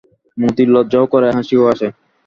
মতির লজ্জাও করে, হাসিও আসে।